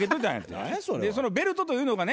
そのベルトというのがね